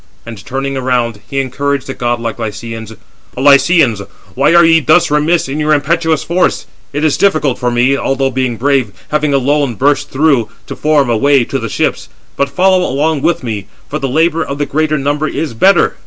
And turning round, he encouraged the godlike Lycians: "O Lycians, why are ye thus remiss in your impetuous force? It is difficult for me, although being brave, having alone burst through, to form a way to the ships. But follow along with me; for the labour of the greater number is better."